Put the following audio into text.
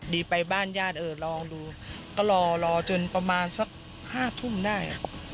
ไปบ้านญาติเออลองดูก็รอรอจนประมาณสัก๕ทุ่มได้